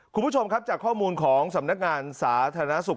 คุณผู้ชมครับจากข้อมูลของสำนักงานสาธารณสุข